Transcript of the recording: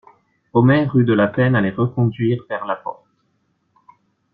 Omer eut de la peine à les reconduire vers la porte.